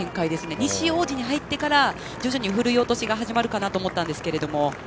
西小路に入ってから徐々にふるい落としが始まるかなと思ったんですけど。